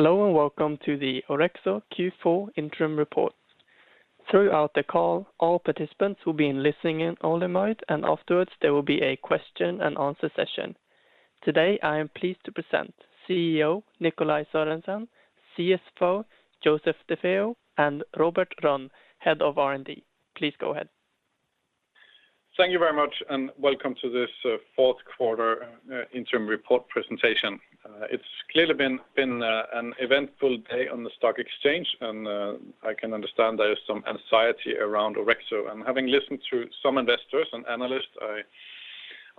Hello and welcome to the Orexo Q4 Interim Report. Throughout the call, all participants will be in listening only mode, and afterwards there will be a question and answer session. Today, I am pleased to present CEO Nikolaj Sørensen, CFO Joseph DeFeo, and Robert Rönn, Head of R&D. Please go ahead. Thank you very much, and welcome to this fourth quarter interim report presentation. It's clearly been an eventful day on the stock exchange, and I can understand there is some anxiety around Orexo. Having listened to some investors and analysts, I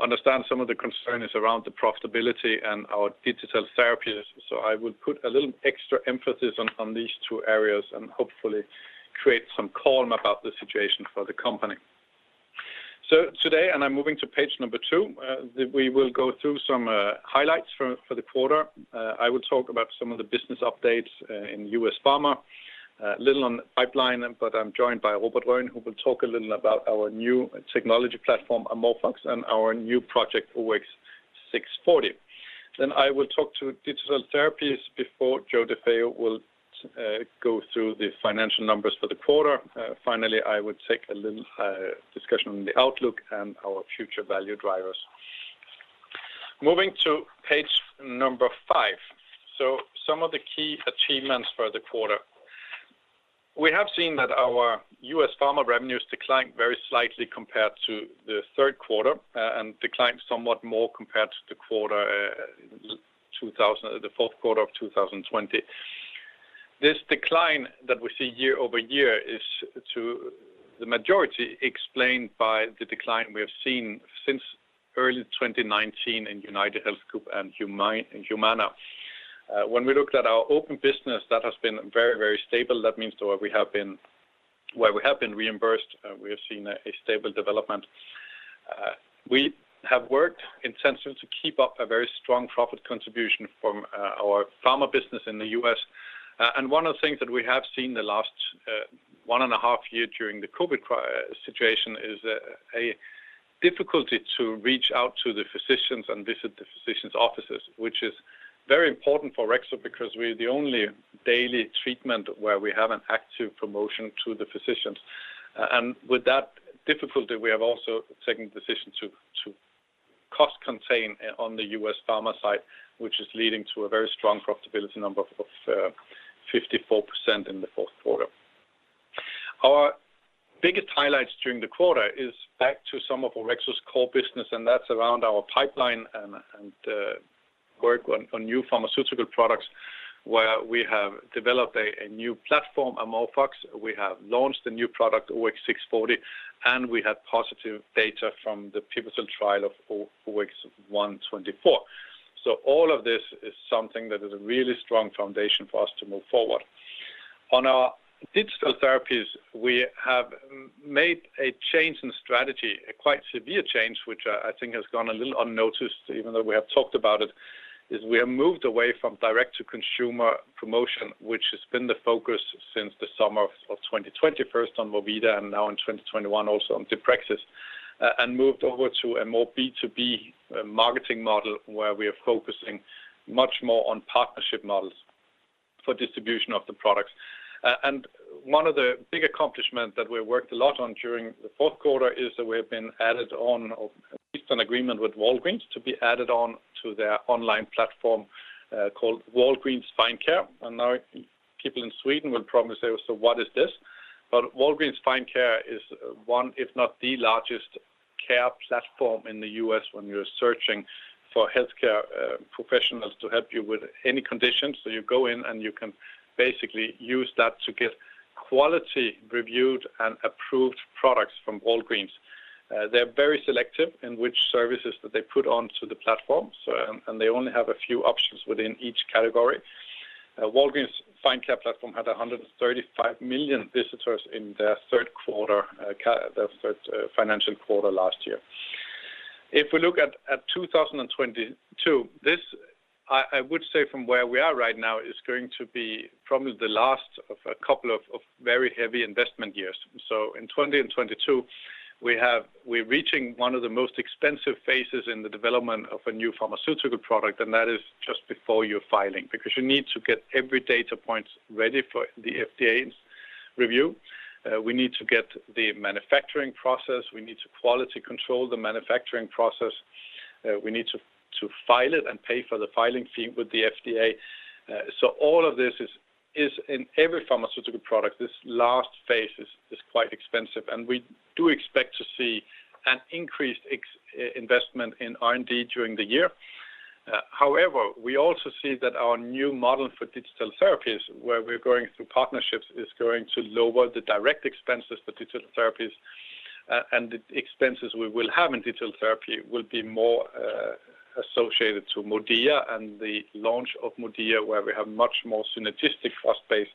understand some of the concern is around the profitability and our digital therapies. I would put a little extra emphasis on these two areas and hopefully create some calm about the situation for the company. Today, I'm moving to page number two. We will go through some highlights for the quarter. I will talk about some of the business updates in U.S. Pharma, a little on pipeline, but I'm joined by Robert Rönn, who will talk a little about our new technology platform, AmorphOX, and our new project, OX640. I will talk to digital therapies before Joe DeFeo will go through the financial numbers for the quarter. Finally, I would take a little discussion on the outlook and our future value drivers. Moving to page number five, some of the key achievements for the quarter. We have seen that our U.S. Pharma revenues declined very slightly compared to the third quarter and declined somewhat more compared to the fourth quarter of 2020. This decline that we see year-over-year is to the majority explained by the decline we have seen since early 2019 in UnitedHealth Group and Humana. When we looked at our opioid business, that has been very, very stable. That means that where we have been reimbursed, we have seen a stable development. We have worked intensely to keep up a very strong profit contribution from our pharma business in the U.S. One of the things that we have seen the last one and a half year during the COVID situation is a difficulty to reach out to the physicians and visit the physicians' offices, which is very important for Orexo because we're the only daily treatment where we have an active promotion to the physicians. With that difficulty, we have also taken the decision to cost contain on the U.S. Pharma side, which is leading to a very strong profitability number of 54% in the fourth quarter. Our biggest highlights during the quarter is back to some of Orexo's core business, and that's around our pipeline and work on new pharmaceutical products, where we have developed a new platform, AmorphOX. We have launched a new product, OX640, and we have positive data from the pivotal trial of OX124. All of this is something that is a really strong foundation for us to move forward. On our digital therapies, we have made a change in strategy, a quite severe change, which I think has gone a little unnoticed, even though we have talked about it, is we have moved away from direct-to-consumer promotion, which has been the focus since the summer of 2021 on MODIA and now in 2021 also on deprexis, and moved over to a more B2B marketing model where we are focusing much more on partnership models for distribution of the products. One of the big accomplishment that we worked a lot on during the fourth quarter is that we have been added on, or at least an agreement with Walgreens to be added on to their online platform called Walgreens Find Care. Now people in Sweden will probably say, "So what is this?" Walgreens Find Care is one, if not the largest care platform in the U.S. when you're searching for healthcare professionals to help you with any condition. You go in and you can basically use that to get quality reviewed and approved products from Walgreens. They're very selective in which services that they put onto the platform and they only have a few options within each category. Walgreens Find Care platform had 135 million visitors in their third quarter, their third financial quarter last year. If we look at 2022, this, I would say from where we are right now, is going to be probably the last of a couple of very heavy investment years. In 2022, we're reaching one of the most expensive phases in the development of a new pharmaceutical product, and that is just before you're filing because you need to get every data point ready for the FDA's review. We need to get the manufacturing process, we need to quality control the manufacturing process, we need to file it and pay for the filing fee with the FDA. All of this is in every pharmaceutical product. This last phase is quite expensive, and we do expect to see an increased investment in R&D during the year. However, we also see that our new model for digital therapies, where we're going through partnerships, is going to lower the direct expenses for digital therapies, and the expenses we will have in digital therapy will be more, associated to MODIA and the launch of MODIA, where we have much more synergistic cost base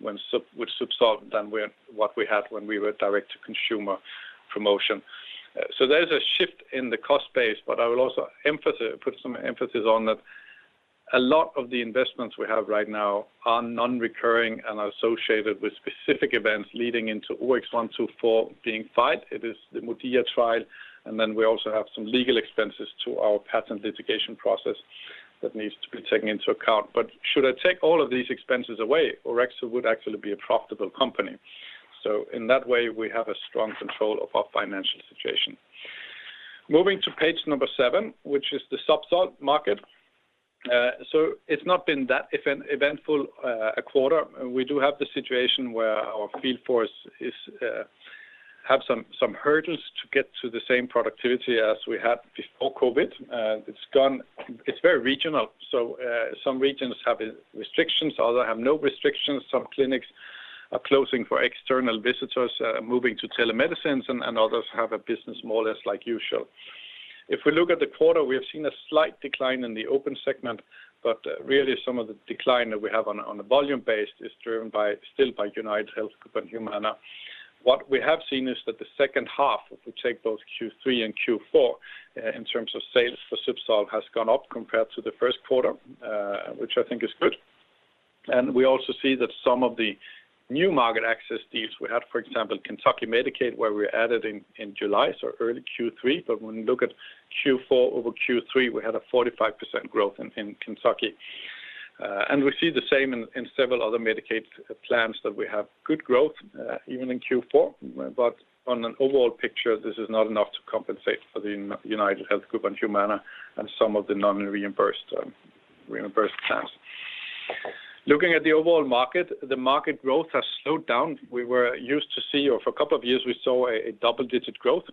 with Zubsolv than what we had when we were direct to consumer promotion. There's a shift in the cost base, but I will also emphasize that a lot of the investments we have right now are non-recurring and are associated with specific events leading into OX124 being filed. It is the MODIA trial, and then we also have some legal expenses to our patent litigation process. That needs to be taken into account. Should I take all of these expenses away, Orexo would actually be a profitable company. In that way, we have a strong control of our financial situation. Moving to page number seven, which is the Zubsolv market. It's not been that eventful a quarter. We do have the situation where our field force has some hurdles to get to the same productivity as we had before COVID. It's very regional. Some regions have restrictions, others have no restrictions. Some clinics are closing for external visitors, moving to telemedicine, and others have a business more or less like usual. If we look at the quarter, we have seen a slight decline in the open segment, but really some of the decline that we have on a volume base is driven by UnitedHealth Group and Humana. What we have seen is that the second half, if we take both Q3 and Q4, in terms of sales for Zubsolv has gone up compared to the first quarter, which I think is good. We also see that some of the new market access deals we had, for example, Kentucky Medicaid, where we added in July, so early Q3. When we look at Q4 over Q3, we had a 45% growth in Kentucky. We see the same in several other Medicaid plans that we have good growth, even in Q4. On an overall picture, this is not enough to compensate for the UnitedHealth Group and Humana and some of the non-reimbursed, reimbursed plans. Looking at the overall market, the market growth has slowed down. We were used to see, or for a couple of years, we saw a double-digit growth.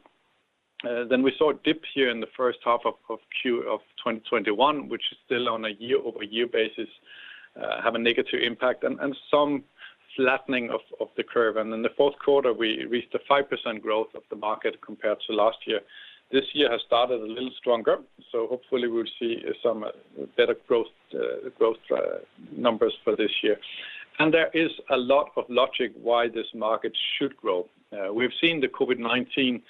Then we saw a dip here in the first half of 2021, which is still on a year-over-year basis, have a negative impact and some flattening of the curve. In the fourth quarter, we reached a 5% growth of the market compared to last year. This year has started a little stronger, so hopefully we'll see some better growth numbers for this year. There is a lot of logic why this market should grow. We've seen the COVID-19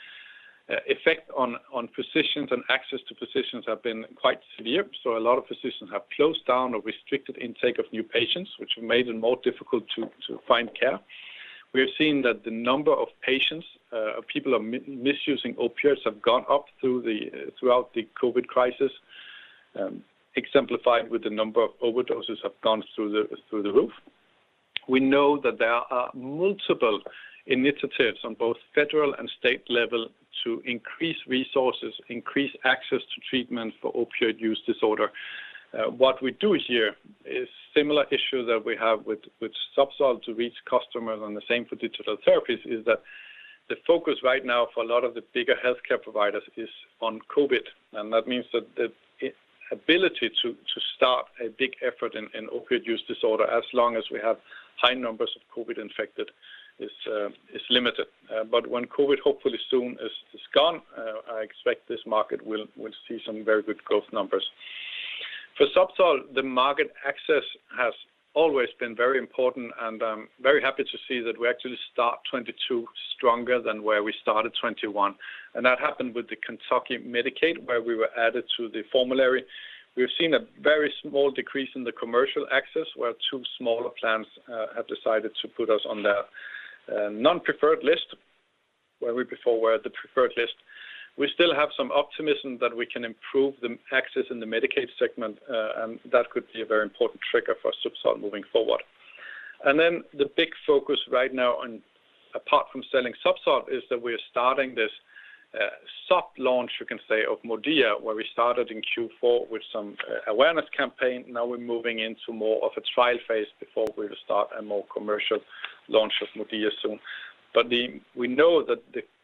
effect on physicians and access to physicians have been quite severe. A lot of physicians have closed down or restricted intake of new patients, which made it more difficult to find care. We are seeing that the number of patients people misusing opioids have gone up throughout the COVID crisis, exemplified with the number of overdoses have gone through the roof. We know that there are multiple initiatives on both federal and state level to increase resources, increase access to treatment for opioid use disorder. What we do here is similar issue that we have with Zubsolv to reach customers on the same for digital therapies is that the focus right now for a lot of the bigger healthcare providers is on COVID. That means that the ability to start a big effort in opioid use disorder as long as we have high numbers of COVID infected is limited. When COVID hopefully soon is gone, I expect this market will see some very good growth numbers. For Zubsolv, the market access has always been very important, and I'm very happy to see that we actually start 2022 stronger than where we started 2021. That happened with the Kentucky Medicaid, where we were added to the formulary. We've seen a very small decrease in the commercial access, where two smaller plans have decided to put us on the non-preferred list, where we before were the preferred list. We still have some optimism that we can improve the access in the Medicaid segment, and that could be a very important trigger for Zubsolv moving forward. Then the big focus right now on, apart from selling Zubsolv is that we are starting this soft launch, you can say, of MODIA, where we started in Q4 with some awareness campaign. Now we're moving into more of a trial phase before we start a more commercial launch of MODIA soon. We know that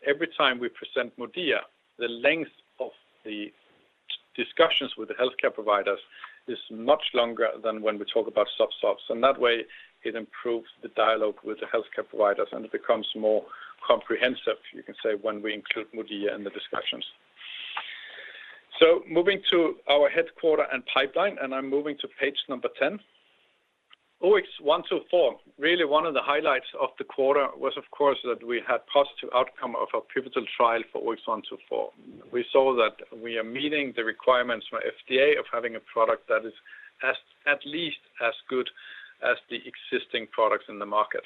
every time we present MODIA, the length of the discussions with the healthcare providers is much longer than when we talk about Zubsolv. In that way, it improves the dialogue with the healthcare providers, and it becomes more comprehensive, you can say, when we include MODIA in the discussions. Moving to our headquarters and pipeline, and I'm moving to page 10. OX124. Really one of the highlights of the quarter was, of course, that we had positive outcome of our pivotal trial for OX124. We saw that we are meeting the requirements for FDA of having a product that is at least as good as the existing products in the market.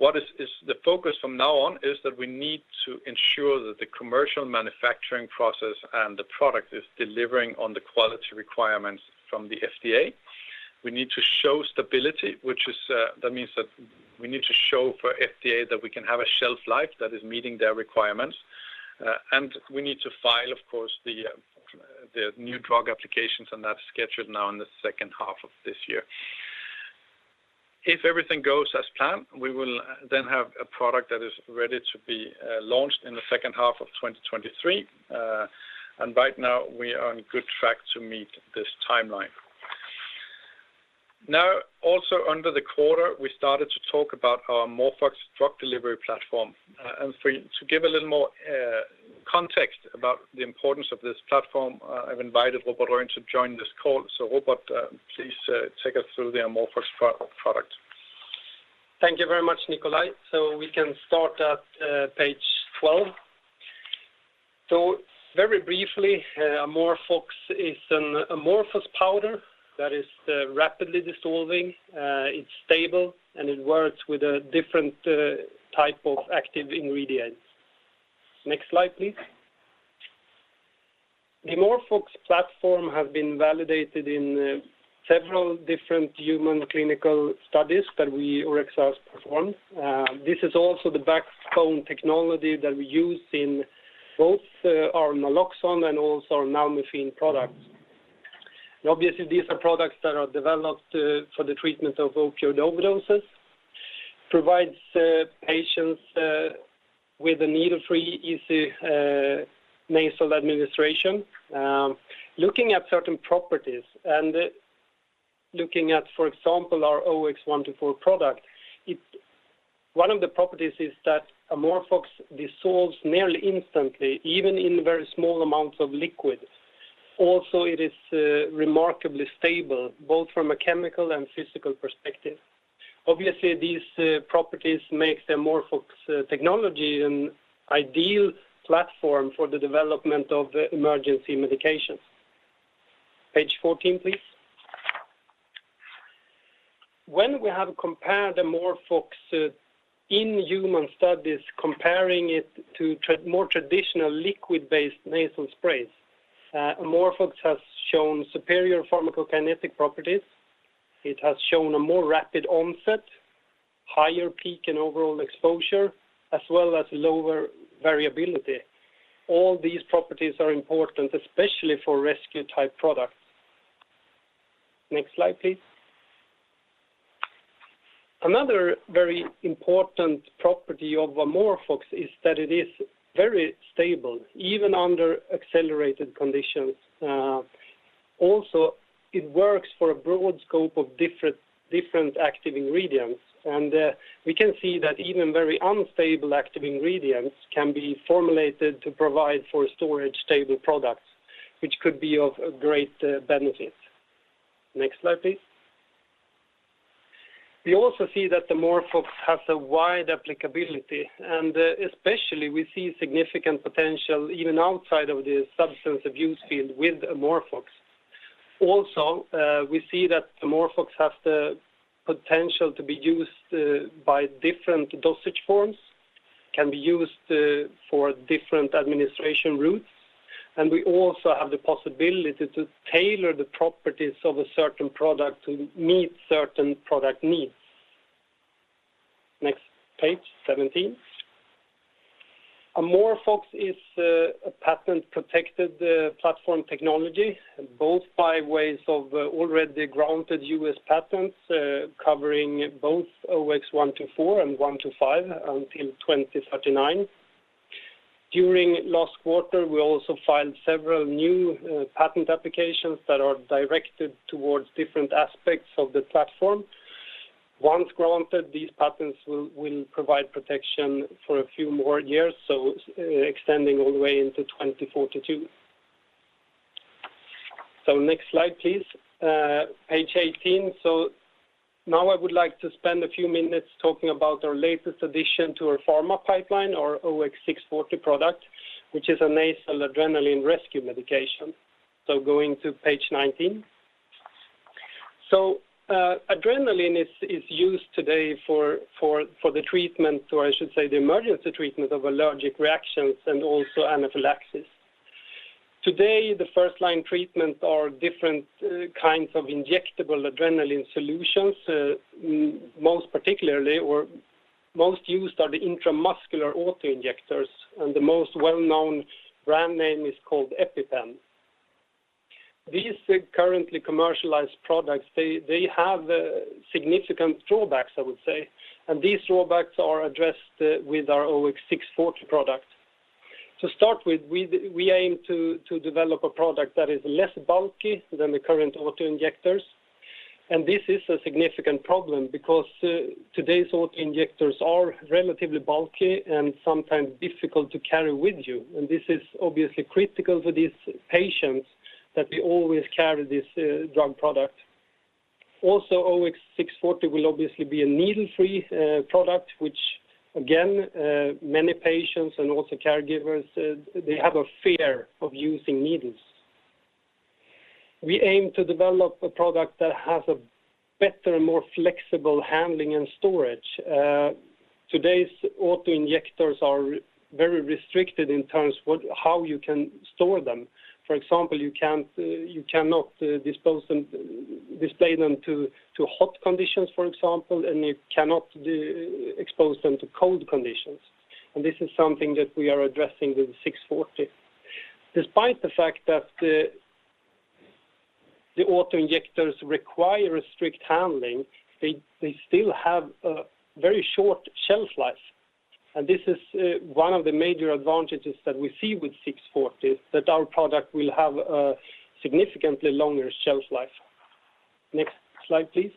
The focus from now on is that we need to ensure that the commercial manufacturing process and the product is delivering on the quality requirements from the FDA. We need to show stability, which means that we need to show for FDA that we can have a shelf life that is meeting their requirements. And we need to file, of course, the new drug applications, and that's scheduled now in the second half of this year. If everything goes as planned, we will then have a product that is ready to be launched in the second half of 2023. Right now we are on good track to meet this timeline. Now, also during the quarter, we started to talk about our AmorphOX drug delivery platform. For you to give a little more context about the importance of this platform, I've invited Robert Rönn to join this call. Robert, please take us through the AmorphOX product. Thank you very much, Nikolaj. We can start at page 12. Very briefly, AmorphOX is an amorphous powder that is rapidly dissolving, it's stable, and it works with a different type of active ingredient. Next slide, please. The AmorphOX platform has been validated in several different human clinical studies that we, Orexo, has performed. This is also the backbone technology that we use in both our naloxone and also our nalmefene products. Obviously, these are products that are developed for the treatment of opioid overdoses, provides patients with a needle-free easy nasal administration. Looking at certain properties and, for example, our OX124 product, one of the properties is that AmorphOX dissolves nearly instantly, even in very small amounts of liquid. It is remarkably stable, both from a chemical and physical perspective. Obviously, these properties makes the AmorphOX technology an ideal platform for the development of emergency medications. Page 14, please. When we have compared AmorphOX in human studies, comparing it to more traditional liquid-based nasal sprays, AmorphOX has shown superior pharmacokinetic properties. It has shown a more rapid onset, higher peak and overall exposure, as well as lower variability. All these properties are important, especially for rescue-type products. Next slide, please. Another very important property of AmorphOX is that it is very stable, even under accelerated conditions. It works for a broad scope of different active ingredients, and we can see that even very unstable active ingredients can be formulated to provide for storage stable products, which could be of great benefit. Next slide, please. We also see that AmorphOX has a wide applicability, and especially we see significant potential even outside of the substance abuse field with AmorphOX. Also, we see that AmorphOX has the potential to be used by different dosage forms, can be used for different administration routes, and we also have the possibility to tailor the properties of a certain product to meet certain product needs. Next page, 17. AmorphOX is a patent-protected platform technology, both by ways of already granted U.S. patents covering both OX124 and OX125 until 2039. During last quarter, we also filed several new patent applications that are directed towards different aspects of the platform. Once granted, these patents will provide protection for a few more years, so extending all the way into 2042. Next slide, please. Page 18. Now I would like to spend a few minutes talking about our latest addition to our pharma pipeline, our OX640 product, which is a nasal adrenaline rescue medication. Going to page 19. Adrenaline is used today for the treatment, or I should say the emergency treatment of allergic reactions and also anaphylaxis. Today, the first line treatment are different kinds of injectable adrenaline solutions. Most particularly or most used are the intramuscular auto-injectors, and the most well-known brand name is called EpiPen. These currently commercialized products, they have significant drawbacks, I would say, and these drawbacks are addressed with our OX640 product. To start with, we aim to develop a product that is less bulky than the current auto-injectors, and this is a significant problem because today's auto-injectors are relatively bulky and sometimes difficult to carry with you, and this is obviously critical for these patients that they always carry this drug product. Also, OX640 will obviously be a needle-free product, which again, many patients and also caregivers they have a fear of using needles. We aim to develop a product that has a better and more flexible handling and storage. Today's auto-injectors are very restricted in terms of how you can store them. For example, you cannot expose them to hot conditions, for example, and you cannot expose them to cold conditions, and this is something that we are addressing with OX640. Despite the fact that the auto-injectors require strict handling, they still have a very short shelf life, and this is one of the major advantages that we see with OX640, that our product will have a significantly longer shelf life. Next slide, please.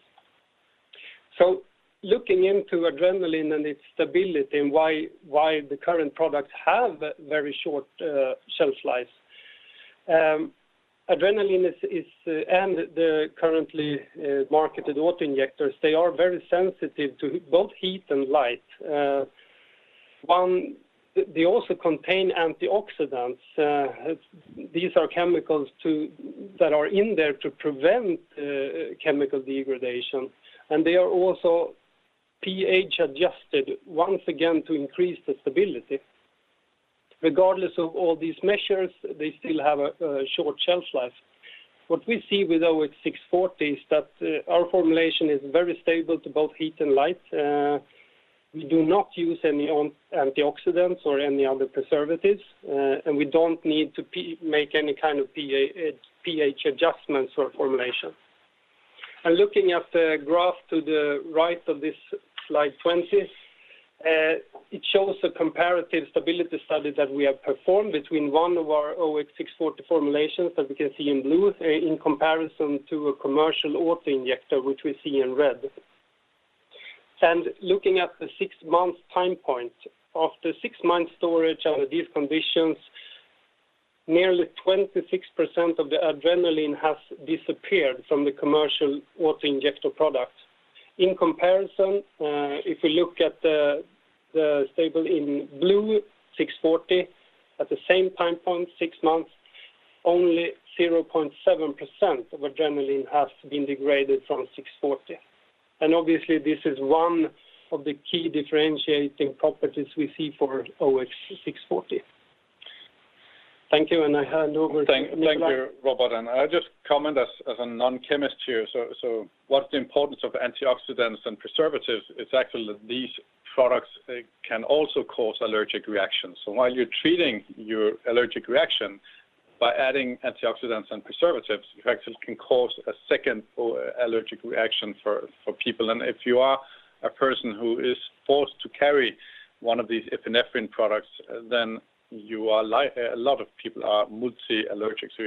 Looking into adrenaline and its stability and why the current products have very short shelf lives. Adrenaline and the currently marketed auto-injectors, they are very sensitive to both heat and light. They also contain antioxidants. These are chemicals that are in there to prevent chemical degradation, and they are also pH adjusted once again to increase the stability. Regardless of all these measures, they still have a short shelf life. What we see with OX640 is that our formulation is very stable to both heat and light. We do not use any antioxidants or any other preservatives, and we don't need to make any kind of pH adjustments or formulations. Looking at the graph to the right of this slide 20, it shows the comparative stability study that we have performed between one of our OX640 formulations that we can see in blue, in comparison to a commercial auto-injector, which we see in red. Looking at the six-month time point, after six months storage under these conditions, nearly 26% of the adrenaline has disappeared from the commercial auto-injector product. In comparison, if we look at the stable in blue, OX640, at the same time point, six months, only 0.7% of adrenaline has been degraded from OX640. Obviously, this is one of the key differentiating properties we see for OX640. Thank you, and I hand over to Nikolaj. Thank you, Robert. I just comment as a non-chemist here. What's the importance of antioxidants and preservatives? It's actually these products can also cause allergic reactions. While you're treating your allergic reaction by adding antioxidants and preservatives, you actually can cause a second allergic reaction for people. If you are a person who is forced to carry one of these epinephrine products, then you are like a lot of people are multi allergic, so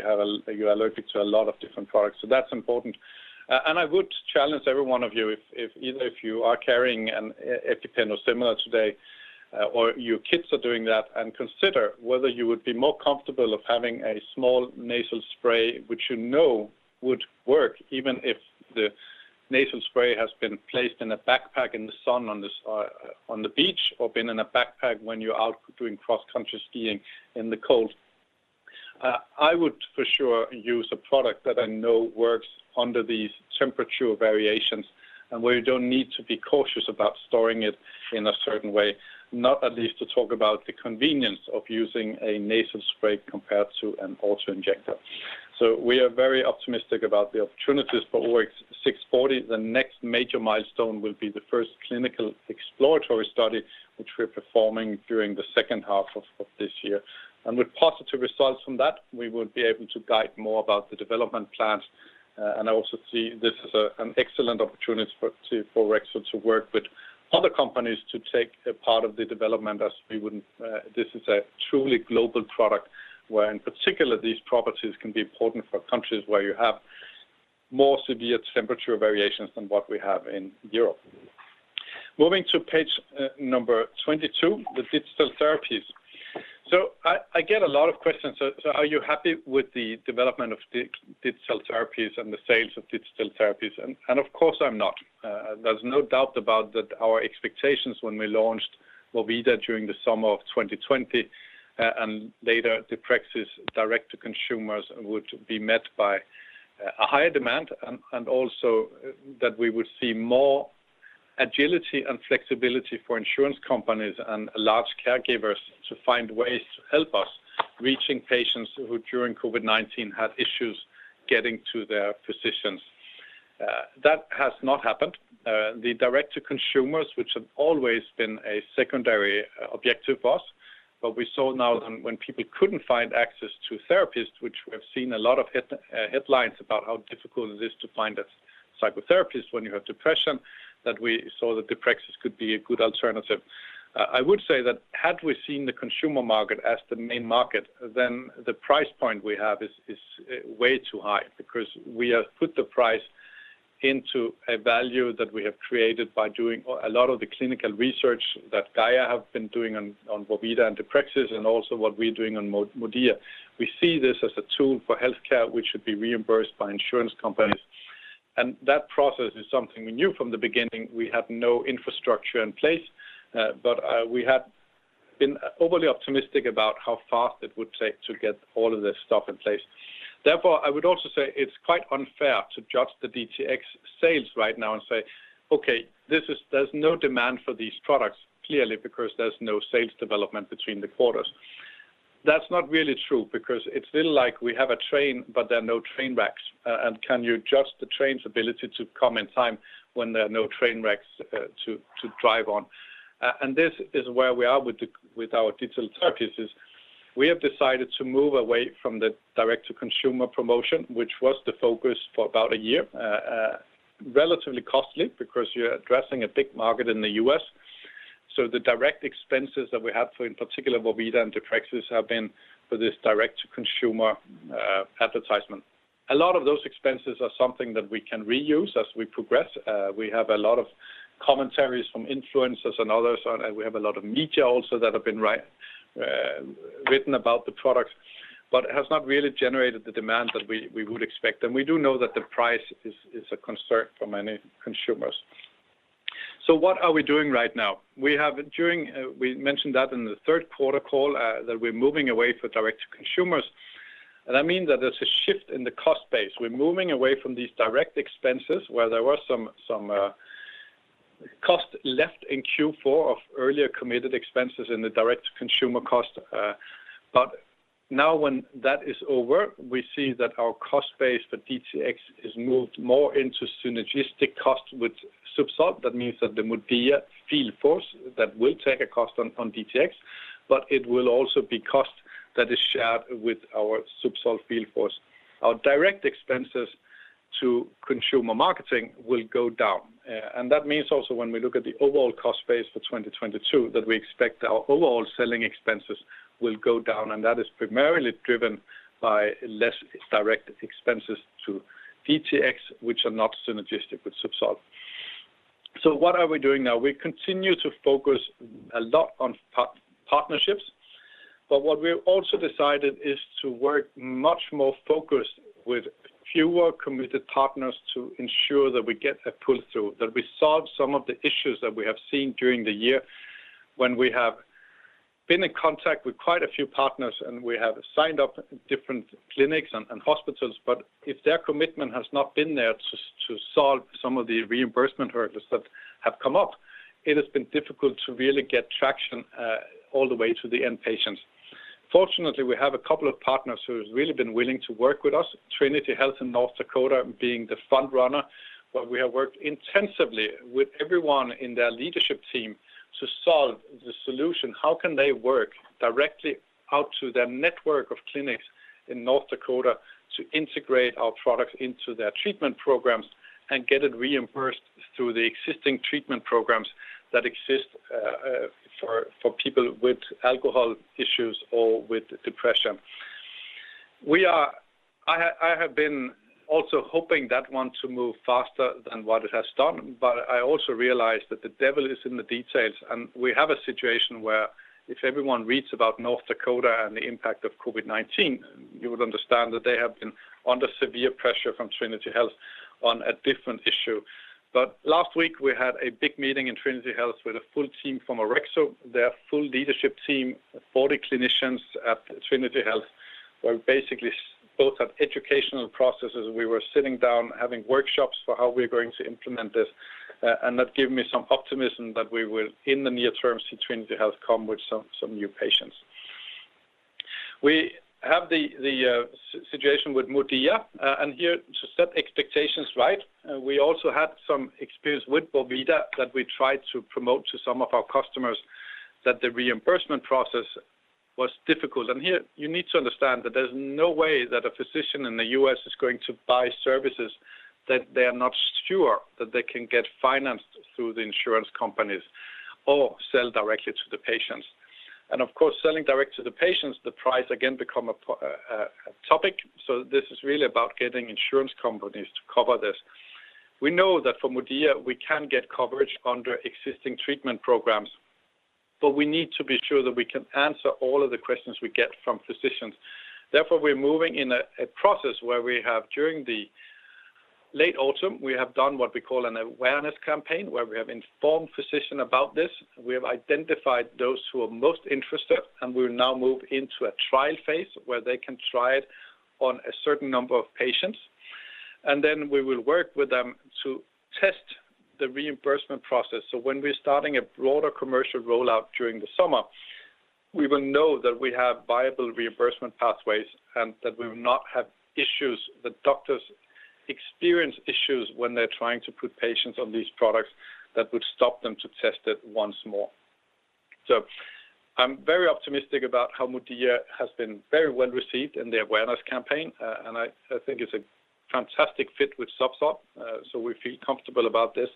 you're allergic to a lot of different products. That's important. I would challenge every one of you if either you are carrying an EpiPen or similar today, or your kids are doing that, and consider whether you would be more comfortable with having a small nasal spray, which you know would work, even if the nasal spray has been placed in a backpack in the sun on the beach or been in a backpack when you are out doing cross-country skiing in the cold. I would for sure use a product that I know works under these temperature variations, and where you do not need to be cautious about storing it in a certain way, not least to talk about the convenience of using a nasal spray compared to an auto-injector. We are very optimistic about the opportunities for OX640. The next major milestone will be the first clinical exploratory study, which we're performing during the second half of this year. With positive results from that, we would be able to guide more about the development plans. I also see this as an excellent opportunity for Orexo to work with other companies to take a part of the development as we wouldn't. This is a truly global product, where in particular, these properties can be important for countries where you have more severe temperature variations than what we have in Europe. Moving to page number 22, the digital therapies. I get a lot of questions. Are you happy with the development of digital therapies and the sales of digital therapies? Of course I'm not. There's no doubt about that our expectations when we launched Vorvida during the summer of 2020, and later deprexis direct to consumers would be met by a higher demand, and also that we would see more agility and flexibility for insurance companies and large caregivers to find ways to help us reaching patients who, during COVID-19, had issues getting to their physicians. That has not happened. The direct to consumers, which have always been a secondary objective for us. We saw now when people couldn't find access to therapists, which we have seen a lot of headlines about how difficult it is to find a psychotherapist when you have depression, that we saw that deprexis could be a good alternative. I would say that had we seen the consumer market as the main market, then the price point we have is way too high because we have put the price into a value that we have created by doing a lot of the clinical research that GAIA have been doing on Vorvida and deprexis and also what we're doing on MODIA. We see this as a tool for healthcare, which should be reimbursed by insurance companies. That process is something we knew from the beginning. We have no infrastructure in place, but we have been overly optimistic about how fast it would take to get all of this stuff in place. Therefore, I would also say it's quite unfair to judge the DTX sales right now and say, "Okay, this is. There's no demand for these products, clearly, because there's no sales development between the quarters." That's not really true because it's a little like we have a train, but there are no train tracks. Can you adjust the train's ability to come in time when there are no train tracks to drive on? This is where we are with our digital therapies. We have decided to move away from the direct-to-consumer promotion, which was the focus for about a year. Relatively costly because you're addressing a big market in the U.S.. The direct expenses that we have for, in particular, Vorvida and deprexis, have been for this direct-to-consumer advertisement. A lot of those expenses are something that we can reuse as we progress. We have a lot of commentaries from influencers and others, and we have a lot of media also that have been written about the product, but it has not really generated the demand that we would expect. We do know that the price is a concern for many consumers. What are we doing right now? We mentioned that in the third quarter call that we're moving away from direct to consumer. I mean that there's a shift in the cost base. We're moving away from these direct expenses where there was some cost left in Q4 of earlier committed expenses in the direct consumer cost. Now when that is over, we see that our cost base for DTx has moved more into synergistic cost with Zubsolv. That means that there would be a field force that will take a cost on DTx, but it will also be cost that is shared with our Zubsolv field force. Our direct expenses to consumer marketing will go down. That means also when we look at the overall cost base for 2022, that we expect our overall selling expenses will go down. That is primarily driven by less direct expenses to DTx, which are not synergistic with Zubsolv. What are we doing now? We continue to focus a lot on partnerships. What we also decided is to work much more focused with fewer committed partners to ensure that we get a pull-through, that we solve some of the issues that we have seen during the year when we have been in contact with quite a few partners, and we have signed up different clinics and hospitals. If their commitment has not been there to solve some of the reimbursement hurdles that have come up, it has been difficult to really get traction all the way to the end patients. Fortunately, we have a couple of partners who have really been willing to work with us, Trinity Health in North Dakota being the front runner. We have worked intensively with everyone in their leadership team to solve the solution, how can they work directly out to their network of clinics in North Dakota to integrate our products into their treatment programs and get it reimbursed through the existing treatment programs that exist for people with alcohol issues or with depression. I have been also hoping that one to move faster than what it has done, but I also realize that the devil is in the details. We have a situation where if everyone reads about North Dakota and the impact of COVID-19, you would understand that they have been under severe pressure from Trinity Health on a different issue. Last week, we had a big meeting in Trinity Health with a full team from Orexo, their full leadership team, 40 clinicians at Trinity Health, where basically both have educational processes. We were sitting down, having workshops for how we're going to implement this. That gave me some optimism that we will, in the near term, see Trinity Health come with some new patients. We have the situation with MODIA. Here to set expectations right, we also had some experience with Boveda Inc that we tried to promote to some of our customers that the reimbursement process was difficult. Here you need to understand that there's no way that a physician in the U.S. is going to buy services that they are not sure that they can get financed through the insurance companies or sell directly to the patients. Of course, selling direct to the patients, the price again become a topic. This is really about getting insurance companies to cover this. We know that for MODIA, we can get coverage under existing treatment programs, but we need to be sure that we can answer all of the questions we get from physicians. Therefore, we're moving in a process where we have during the late autumn, we have done what we call an awareness campaign, where we have informed physicians about this. We have identified those who are most interested, and we will now move into a trial phase where they can try it on a certain number of patients. We will work with them to test the reimbursement process. When we're starting a broader commercial rollout during the summer, we will know that we have viable reimbursement pathways and that we will not have issues the doctors experience when they're trying to put patients on these products that would stop them to test it once more. I'm very optimistic about how MODIA has been very well received in the awareness campaign, and I think it's a fantastic fit with Zubsolv, so we feel comfortable about this.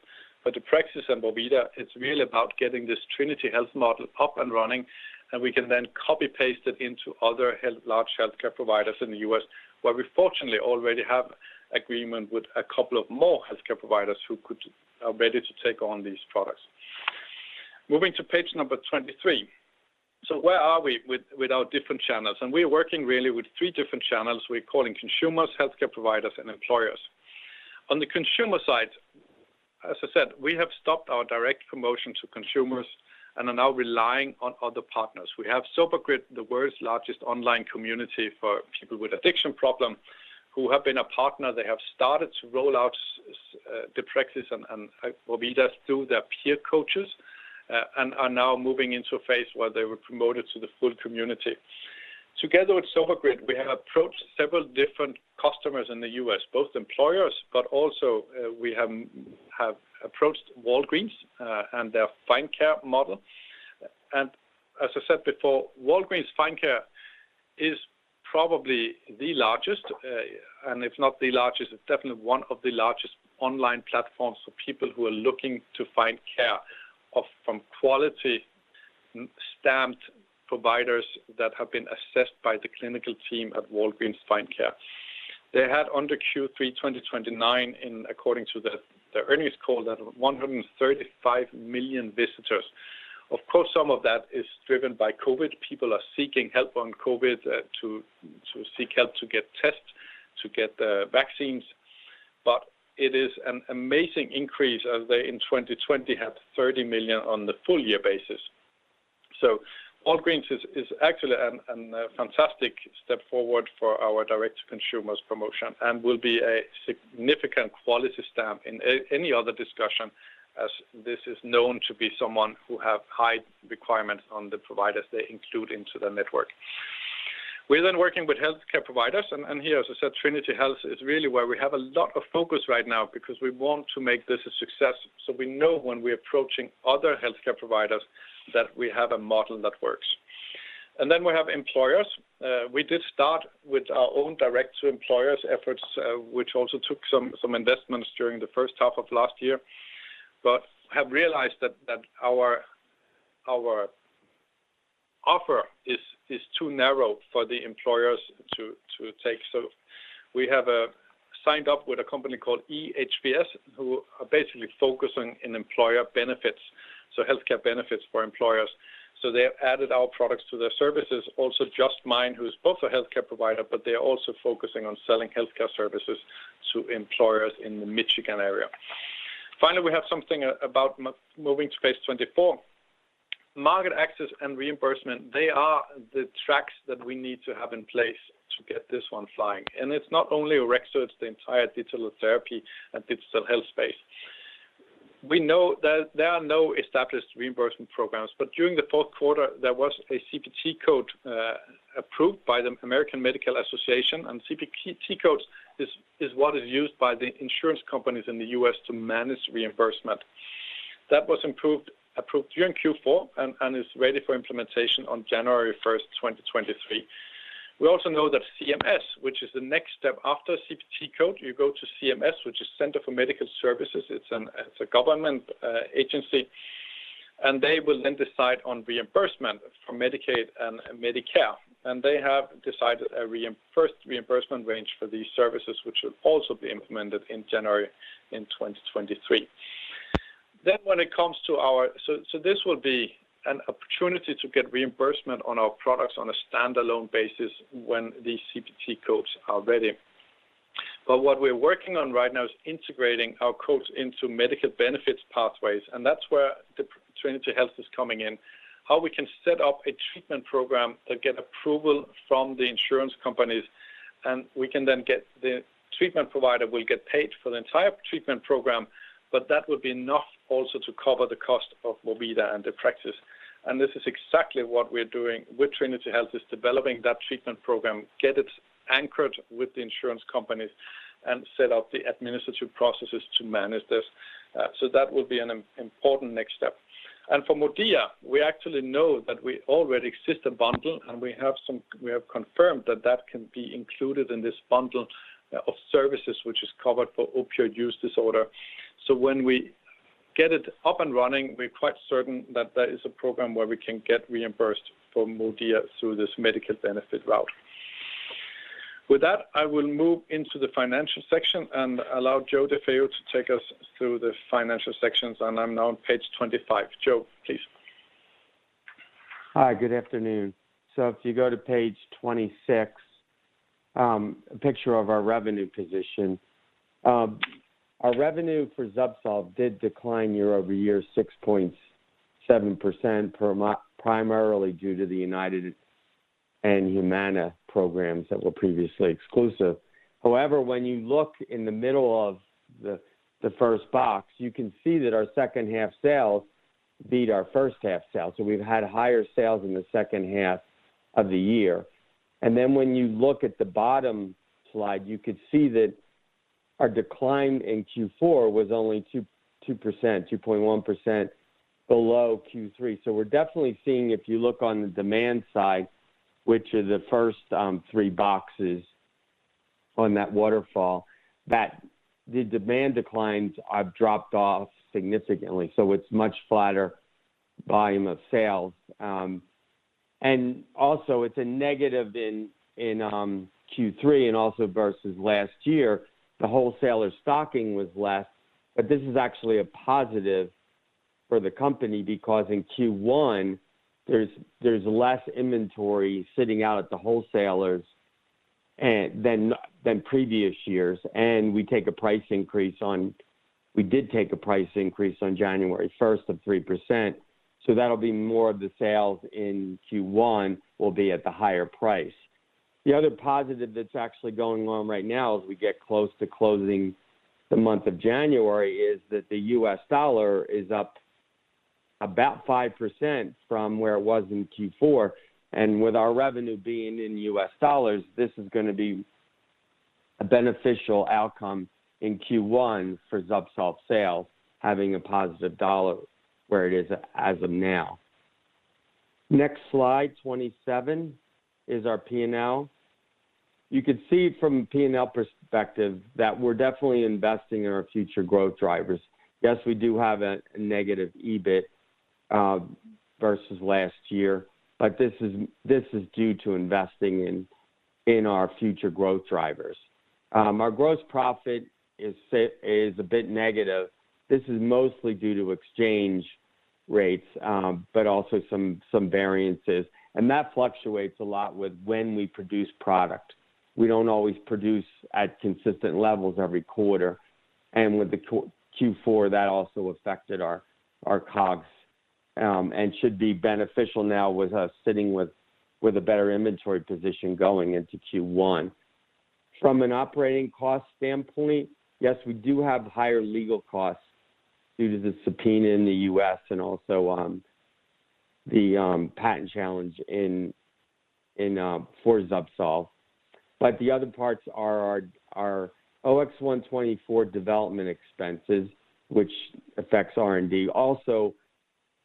the deprexis and Vorvida, it's really about getting this Trinity Health model up and running, and we can then copy-paste it into other large healthcare providers in the U.S., where we fortunately already have agreement with a couple of more healthcare providers who are ready to take on these products. Moving to page 23. where are we with our different channels? We're working really with three different channels. We're calling consumers, healthcare providers, and employers. On the consumer side, as I said, we have stopped our direct promotion to consumers and are now relying on other partners. We have Sober Grid, the world's largest online community for people with addiction problem, who have been a partner. They have started to roll out deprexis and Vorvida through their peer coaches and are now moving into a phase where they were promoted to the full community. Together with Sober Grid, we have approached several different customers in the U.S., both employers, but also we have approached Walgreens and their Find Care model. As I said before, Walgreens Find Care is probably the largest, and if not the largest, it's definitely one of the largest online platforms for people who are looking to find care from quality stamped providers that have been assessed by the clinical team at Walgreens Find Care. They had in Q3 2020, according to the earnings call, 135 million visitors. Of course, some of that is driven by COVID. People are seeking help on COVID to seek help to get tests, to get vaccines. It is an amazing increase as they in 2020 had 30 million on the full year basis. Walgreens is actually a fantastic step forward for our direct-to-consumer promotion and will be a significant quality stamp in any other discussion as this is known to be someone who have high requirements on the providers they include into their network. We're then working with healthcare providers, and here, as I said, Trinity Health is really where we have a lot of focus right now because we want to make this a success, so we know when we're approaching other healthcare providers that we have a model that works. Then we have employers. We did start with our own direct to employers efforts, which also took some investments during the first half of last year, but have realized that our offer is too narrow for the employers to take. We have signed up with a company called EHBS, who are basically focusing in employer benefits, so healthcare benefits for employers. They have added our products to their services. Also justmiine, who is both a healthcare provider, but they are also focusing on selling healthcare services to employers in the Michigan area. Finally, we have something about moving to page 24. Market access and reimbursement, they are the tracks that we need to have in place to get this one flying. It's not only Orexo, it's the entire digital therapy and digital health space. We know that there are no established reimbursement programs, but during the fourth quarter, there was a CPT code approved by the American Medical Association, and CPT code is what is used by the insurance companies in the U.S. to manage reimbursement. That was approved during Q4 and is ready for implementation on January 1st, 2023. We also know that CMS, which is the next step after CPT code, you go to CMS, which is Centers for Medicare & Medicaid Services. It's a government agency, and they will then decide on reimbursement for Medicaid and Medicare. They have decided a first reimbursement range for these services, which will also be implemented in January 2023. Then when it comes to our... This will be an opportunity to get reimbursement on our products on a standalone basis when these CPT codes are ready. What we're working on right now is integrating our codes into medical benefits pathways, and that's where Trinity Health is coming in. How we can set up a treatment program that get approval from the insurance companies, and we can then get the treatment provider will get paid for the entire treatment program, but that would be enough also to cover the cost of MODIA and deprexis. This is exactly what we're doing with Trinity Health, is developing that treatment program, get it anchored with the insurance companies and set up the administrative processes to manage this. That would be an important next step. For MODIA, we actually know that we already have a bundle, and we have confirmed that that can be included in this bundle of services which is covered for opioid use disorder. When we get it up and running, we're quite certain that that is a program where we can get reimbursed for MODIA through this medical benefit route. With that, I will move into the financial section and allow Joe DeFeo to take us through the financial sections, and I'm now on page 25. Joe, please. Hi. Good afternoon. If you go to page 26, a picture of our revenue position. Our revenue for Zubsolv did decline year-over-year 6.7% primarily due to the United and Humana programs that were previously exclusive. However, when you look in the middle of the first box, you can see that our second half sales beat our first half sales. We've had higher sales in the second half of the year. When you look at the bottom slide, you could see that our decline in Q4 was only 2%, 2.1% below Q3. We're definitely seeing if you look on the demand side, which are the first three boxes on that waterfall, that the demand declines have dropped off significantly. It's much flatter volume of sales. It's a negative in Q3 and also versus last year. The wholesaler stocking was less, but this is actually a positive for the company because in Q1 there's less inventory sitting out at the wholesalers than previous years and we did take a price increase on January first of 3%, so that'll be more of the sales in Q1 will be at the higher price. The other positive that's actually going on right now as we get close to closing the month of January is that the U.S. dollar is up about 5% from where it was in Q4. With our revenue being in U.S. dollars, this is gonna be a beneficial outcome in Q1 for Zubsolv sales having a positive dollar where it is as of now. Next slide, 27 is our P&L. You could see from P&L perspective that we're definitely investing in our future growth drivers. Yes, we do have a negative EBIT versus last year, but this is due to investing in our future growth drivers. Our gross profit is a bit negative. This is mostly due to exchange rates, but also some variances. That fluctuates a lot with when we produce product. We don't always produce at consistent levels every quarter. With the Q4 that also affected our COGS, and should be beneficial now with us sitting with a better inventory position going into Q1. From an operating cost standpoint, yes, we do have higher legal costs due to the subpoena in the U.S. and also the patent challenge in for Zubsolv. The other parts are our OX124 development expenses, which affects R&D. Also,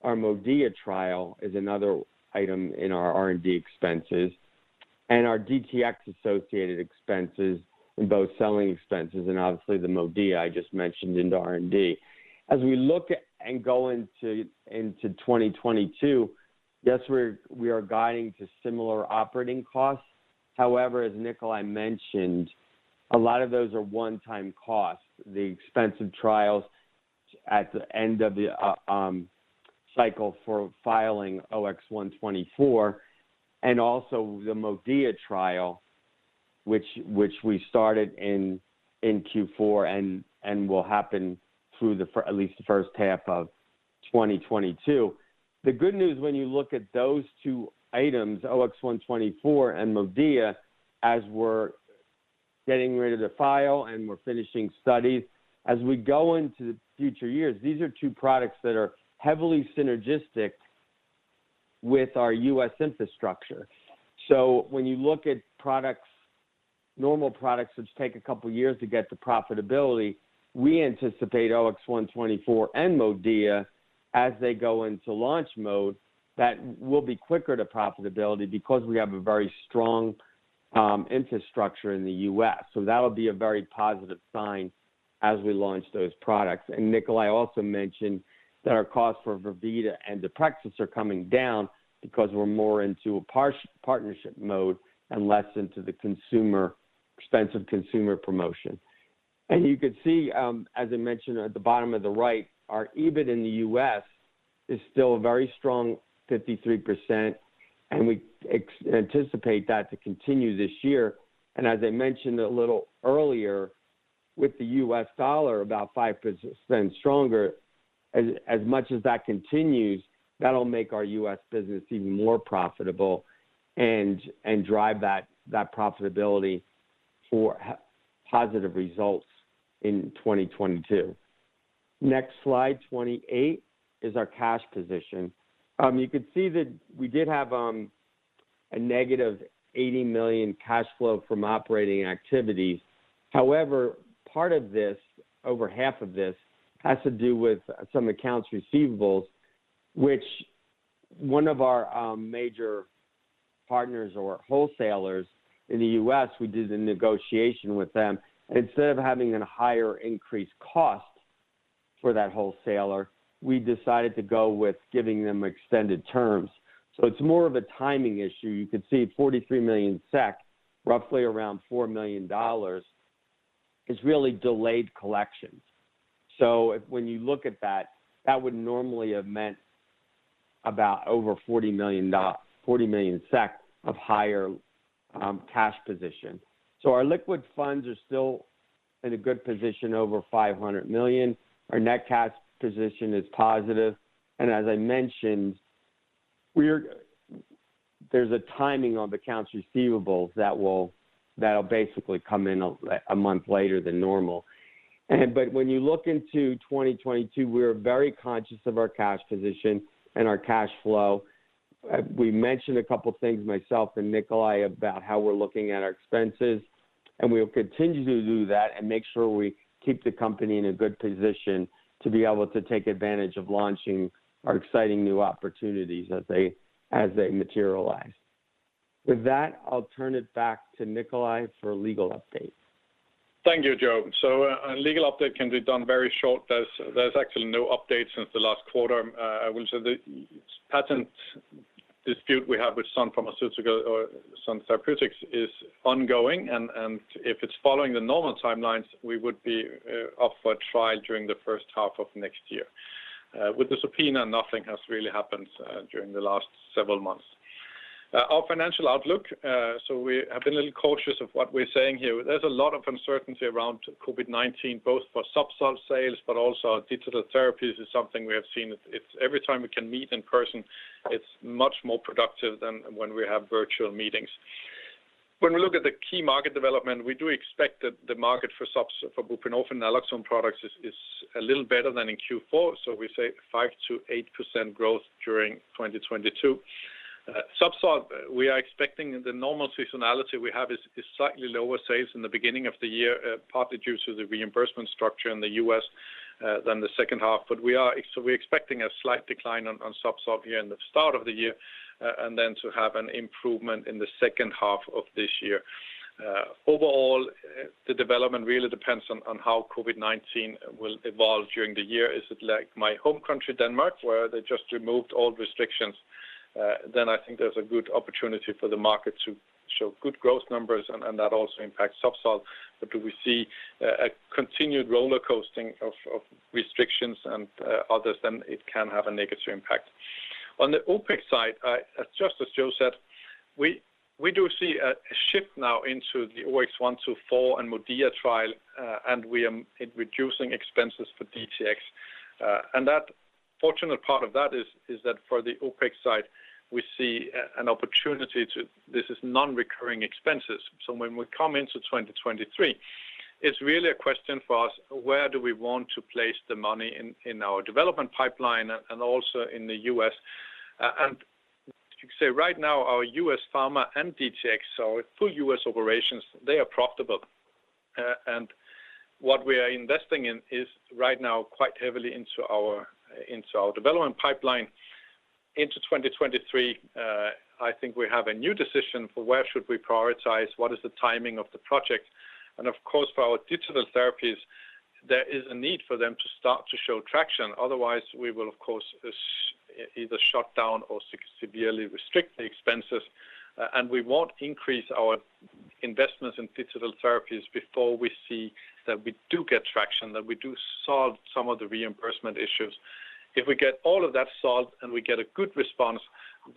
our MODIA trial is another item in our R&D expenses and our DTx associated expenses in both selling expenses and obviously the MODIA I just mentioned into R&D. As we look at and go into 2022, yes we are guiding to similar operating costs. However, as Nikolaj mentioned, a lot of those are one-time costs. The expensive trials at the end of the cycle for filing OX124 and also the MODIA trial which we started in Q4 and will happen through at least the first half of 2022. The good news when you look at those two items, OX124 and MODIA, as we're getting ready to file and we're finishing studies, as we go into the future years, these are two products that are heavily synergistic with our U.S. infrastructure. When you look at products, normal products which take a couple of years to get to profitability, we anticipate OX124 and MODIA as they go into launch mode, that will be quicker to profitability because we have a very strong infrastructure in the U.S. That'll be a very positive sign as we launch those products. Nikolaj also mentioned that our cost for Vorvida and deprexis are coming down because we're more into a partnership mode and less into the expensive consumer promotion. You could see, as I mentioned at the bottom of the right, our EBIT in the U.S. is still a very strong 53%, and we anticipate that to continue this year. As I mentioned a little earlier, with the U.S. dollar about 5% stronger, as much as that continues, that'll make our U.S. business even more profitable and drive that profitability for positive results in 2022. Next slide, 28, is our cash position. You could see that we did have a negative 80 million cash flow from operating activities. However, part of this, over half of this, has to do with some accounts receivable, which one of our major partners or wholesalers in the U.S., we did a negotiation with them. Instead of having a higher increased cost for that wholesaler, we decided to go with giving them extended terms. It's more of a timing issue. You could see 43 million SEK, roughly around $4 million, is really delayed collections. When you look at that would normally have meant about over SEK 40 million of higher cash position. Our liquid funds are still in a good position over 500 million. Our net cash position is positive. As I mentioned, there's a timing on the accounts receivable that will basically come in a month later than normal. When you look into 2022, we're very conscious of our cash position and our cash flow. We mentioned a couple of things, myself and Nikolaj, about how we're looking at our expenses, and we will continue to do that and make sure we keep the company in a good position to be able to take advantage of launching our exciting new opportunities as they materialize. With that, I'll turn it back to Nikolaj for legal updates. Thank you, Joe. Legal update can be done very short. There's actually no update since the last quarter. I will say the patent dispute we have with Sun Pharmaceutical or Sun Therapeutics is ongoing, and if it's following the normal timelines, we would be up for trial during the first half of next year. With the subpoena, nothing has really happened during the last several months. Our financial outlook, we have been a little cautious of what we're saying here. There's a lot of uncertainty around COVID-19, both for Zubsolv sales, but also our digital therapies is something we have seen. Every time we can meet in person, it's much more productive than when we have virtual meetings. When we look at the key market development, we do expect that the market for buprenorphine naloxone products is a little better than in Q4, so we say 5%-8% growth during 2022. Zubsolv, we are expecting the normal seasonality we have is slightly lower sales in the beginning of the year, partly due to the reimbursement structure in the U.S., than the second half. We're expecting a slight decline on Zubsolv here in the start of the year, and then to have an improvement in the second half of this year. Overall, the development really depends on how COVID-19 will evolve during the year. Is it like my home country, Denmark, where they just removed all restrictions? I think there's a good opportunity for the market to show good growth numbers and that also impacts Zubsolv. Do we see a continued roller coasting of restrictions and others, then it can have a negative impact. On the OpEx side, as Joe said, we do see a shift now into the OX124 and MODIA trial, and we are reducing expenses for DTx. The fortunate part of that is that for the OpEx side, we see an opportunity. This is non-recurring expenses. When we come into 2023, it's really a question for us, where do we want to place the money in our development pipeline and also in the U.S.? You could say right now, our U.S. Pharma and DTx, so full U.S. operations, they are profitable. What we are investing in is right now quite heavily into our development pipeline. Into 2023, I think we have a new decision for where should we prioritize, what is the timing of the project. Of course, for our digital therapies, there is a need for them to start to show traction. Otherwise, we will, of course, either shut down or severely restrict the expenses. We won't increase our investments in digital therapies before we see that we do get traction, that we do solve some of the reimbursement issues. If we get all of that solved and we get a good response,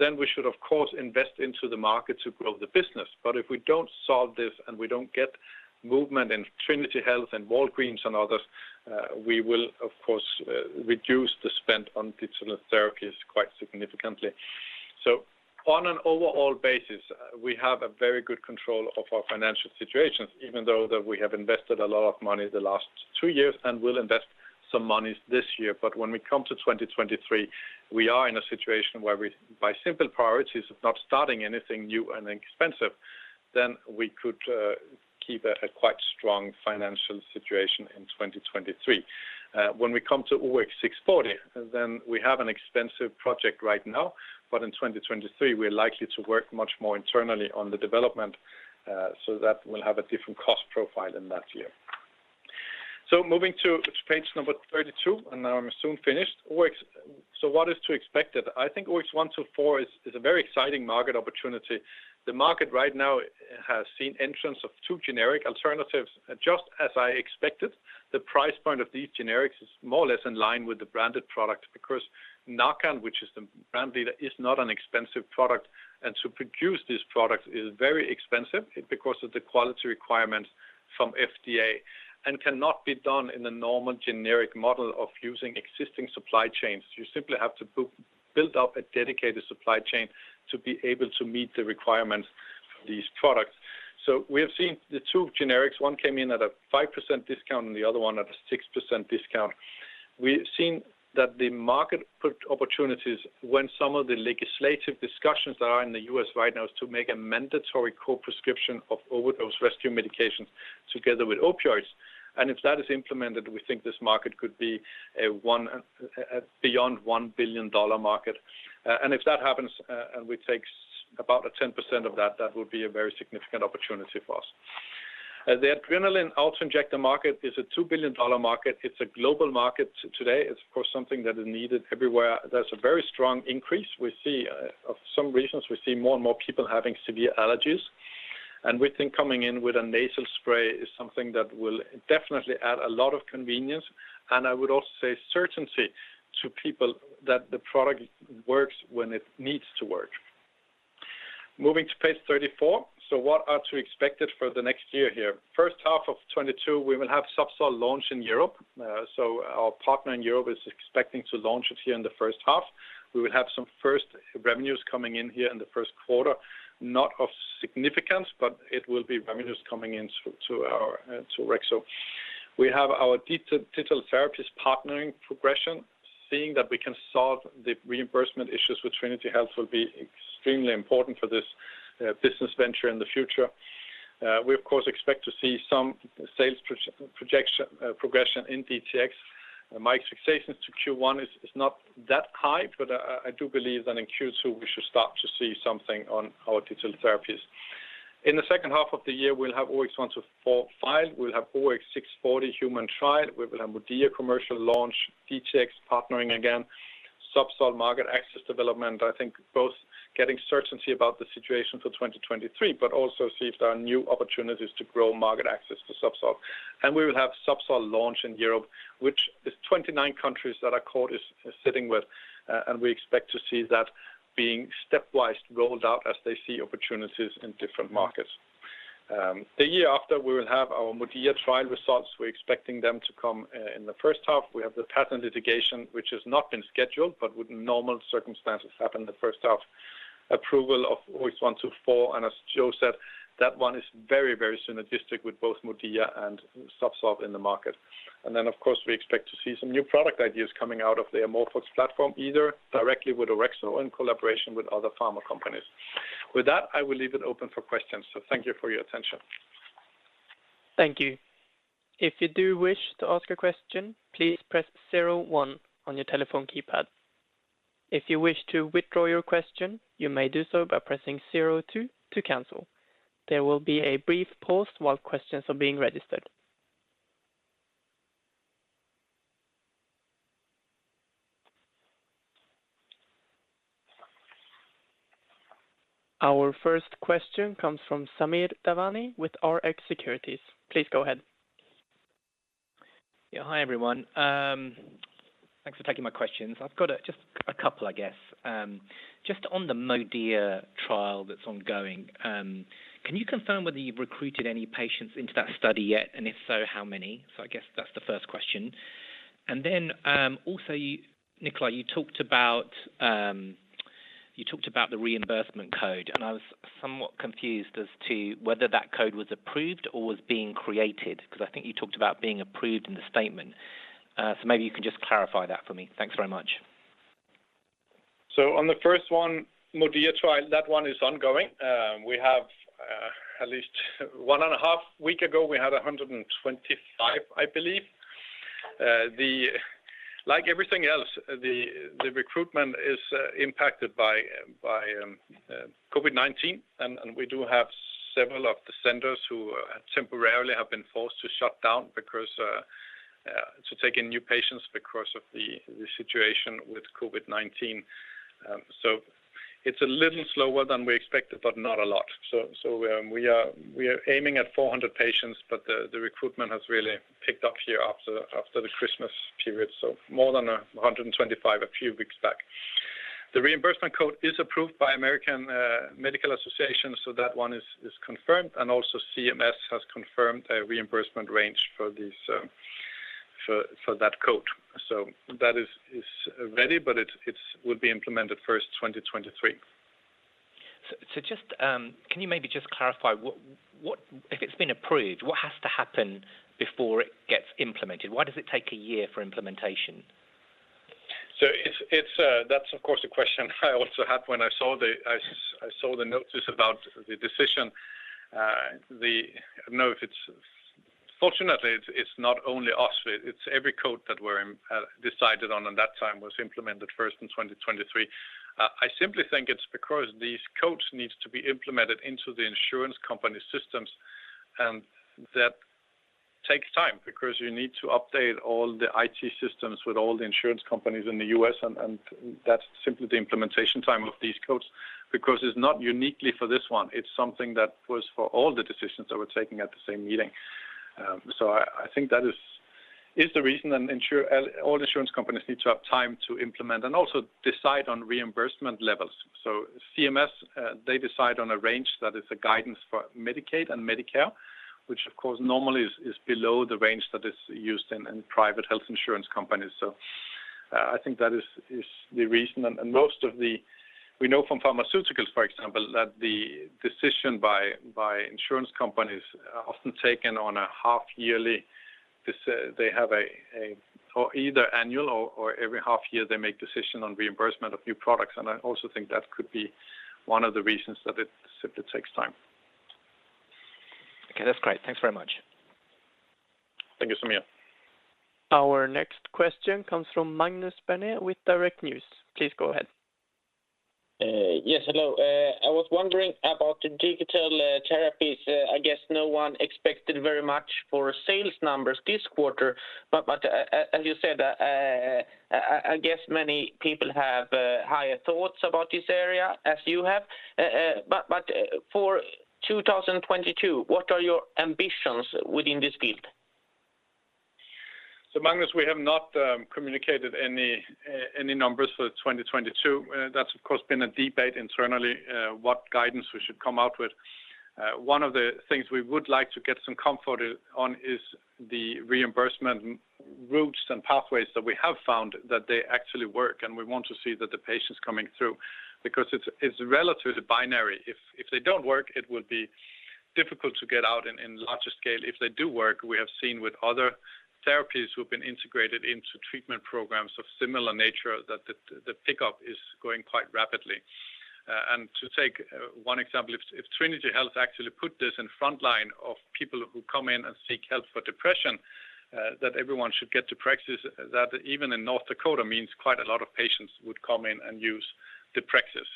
we should of course invest into the market to grow the business. If we don't solve this and we don't get movement in Trinity Health and Walgreens and others, we will of course reduce the spend on digital therapies quite significantly. On an overall basis, we have a very good control of our financial situation, even though that we have invested a lot of money the last two years and will invest some monies this year. When we come to 2023, we are in a situation where we by simple priorities of not starting anything new and expensive, then we could keep a quite strong financial situation in 2023. When we come to OX640, then we have an expensive project right now. In 2023, we're likely to work much more internally on the development, so that we'll have a different cost profile in that year. Moving to page 32, and I'm soon finished. What is to be expected? I think OX124 is a very exciting market opportunity. The market right now has seen entrance of two generic alternatives, just as I expected. The price point of these generics is more or less in line with the branded product. Of course, Narcan, which is the brand leader, is not an expensive product. To produce this product is very expensive because of the quality requirements from FDA and cannot be done in a normal generic model of using existing supply chains. You simply have to build up a dedicated supply chain to be able to meet the requirements of these products. We have seen the two generics. One came in at a 5% discount and the other one at a 6% discount. We've seen that the market opportunities when some of the legislative discussions that are in the U.S. right now is to make a mandatory co-prescription of overdose rescue medications together with opioids. If that is implemented, we think this market could be beyond $1 billion market. If that happens, and we take about 10% of that would be a very significant opportunity for us. The adrenaline auto-injector market is a $2 billion market. It's a global market today. It's of course, something that is needed everywhere. There's a very strong increase we see. For some reasons we see more and more people having severe allergies. We think coming in with a nasal spray is something that will definitely add a lot of convenience. I would also say certainty to people that the product works when it needs to work. Moving to page 34. What are we to expect for the next year here? First half of 2022, we will have Zubsolv launch in Europe. Our partner in Europe is expecting to launch it here in the first half. We will have some first revenues coming in here in the first quarter, not of significance, but it will be revenues coming in to our Orexo. We have our digital therapies partnering progression. Seeing that we can solve the reimbursement issues with Trinity Health will be extremely important for this business venture in the future. We of course expect to see some sales projection progression in DTx. My expectations to Q1 is not that high, but I do believe that in Q2, we should start to see something on our digital therapies. In the second half of the year, we'll have OX124 filed. We'll have OX640 human trial. We will have MODIA commercial launch, DTx partnering again, Zubsolv market access development. I think both getting certainty about the situation for 2023, but also see if there are new opportunities to grow market access for Zubsolv. We will have Zubsolv launch in Europe, which is 29 countries that our partner is sitting with. We expect to see that being step-wise rolled out as they see opportunities in different markets. The year after, we will have our MODIA trial results. We're expecting them to come in the first half. We have the patent litigation, which has not been scheduled, but would in normal circumstances happen in the first half. Approval of OX124, and as Joe said, that one is very, very synergistic with both MODIA and Zubsolv in the market. Of course, we expect to see some new product ideas coming out of the AmorphOX platform, either directly with Orexo or in collaboration with other pharma companies. With that, I will leave it open for questions. Thank you for your attention. Thank you. If you do wish to ask a question, please press zero one on your telephone keypad. If you wish to withdraw your question, you may do so by pressing zero two to cancel. There will be a brief pause while questions are being registered. Our first question comes from Samir Devani with Rx Securities. Please go ahead. Hi, everyone. Thanks for taking my questions. I've got just a couple, I guess. Just on the MODIA trial that's ongoing, can you confirm whether you've recruited any patients into that study yet? And if so, how many? I guess that's the first question. Also, Nikolaj, you talked about the reimbursement code, and I was somewhat confused as to whether that code was approved or was being created, because I think you talked about being approved in the statement. Maybe you can just clarify that for me. Thanks very much. On the first one, MODIA trial, that one is ongoing. We have, at least one and a half week ago, we had 125, I believe. Like everything else, the recruitment is impacted by COVID-19, and we do have several of the centers who temporarily have been forced to shut down because to take in new patients because of the situation with COVID-19. It's a little slower than we expected, but not a lot. We are aiming at 400 patients, but the recruitment has really picked up here after the Christmas period. More than 125 a few weeks back. The reimbursement code is approved by American Medical Association, so that one is confirmed. CMS has confirmed a reimbursement range for this, for that code. That is ready, but it would be implemented first 2023. Can you maybe just clarify what if it's been approved, what has to happen before it gets implemented? Why does it take a year for implementation? It's that of course the question I also had when I saw the notice about the decision. Fortunately, it's not only us. It's every code that were decided on in that time was implemented first in 2023. I simply think it's because these codes needs to be implemented into the insurance company systems, and that takes time because you need to update all the IT systems with all the insurance companies in the U.S., and that's simply the implementation time of these codes. Because it's not uniquely for this one, it's something that was for all the decisions that were taken at the same meeting. I think that is the reason. All insurance companies need to have time to implement and also decide on reimbursement levels. CMS, they decide on a range that is a guidance for Medicaid and Medicare, which of course normally is below the range that is used in private health insurance companies. I think that is the reason. We know from pharmaceuticals, for example, that the decision by insurance companies are often taken on a half yearly. They say they have either annual or every half year. They make decision on reimbursement of new products. I also think that could be one of the reasons that it simply takes time. Okay, that's great. Thanks very much. Thank you, Samir. Our next question comes from Magnus Bernet with Direkt. Please go ahead. Yes, hello. I was wondering about the digital therapies. I guess no one expected very much for sales numbers this quarter. I guess many people have higher thoughts about this area as you have. For 2022, what are your ambitions within this field? Magnus, we have not communicated any numbers for 2022. That's of course been a debate internally what guidance we should come out with. One of the things we would like to get some comfort on is the reimbursement routes and pathways that we have found that they actually work, and we want to see that the patients coming through. Because it's relatively binary. If they don't work, it would be difficult to get out in larger scale. If they do work, we have seen with other therapies who've been integrated into treatment programs of similar nature that the pickup is growing quite rapidly. To take one example, if Trinity Health actually put this in frontline of people who come in and seek help for depression, that everyone should get deprexis, that even in North Dakota means quite a lot of patients would come in and use deprexis.